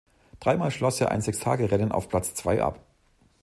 Dreimal schloss er ein Sechstagerennen auf Platz zwei ab.